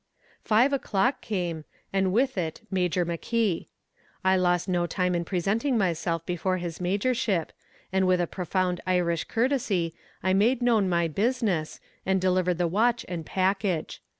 Five o'clock came, and with it Major McKee. I lost no time in presenting myself before his majorship, and with a profound Irish courtesy I made known my business, and delivered the watch and package.